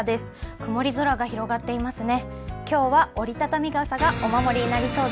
曇り空が広がっていますね。